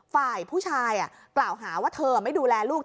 ฝ่ายผู้ชายกล่าวหาว่าเธอไม่ดูแลลูก